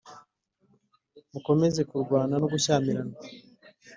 Mukomeza kurwana r no gushyamirana